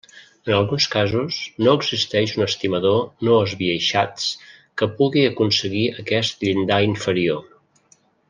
En alguns casos, no existeix un estimador no esbiaixats que pugui aconseguir aquest llindar inferior.